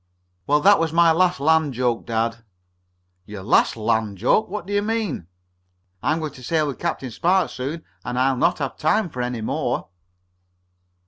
"Well, that was my last land joke, dad." "Your last land joke? What do you mean?" "I'm going to sail with Captain Spark soon, and I'll not have time for any more."